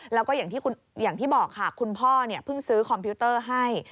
แล้วก็อย่างที่บอกค่ะคุณพ่อเพิ่งซื้อคอมพิวเตอร์ให้